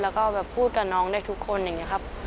แล้วก็แบบพูดกับน้องได้ทุกคนอย่างนี้ครับ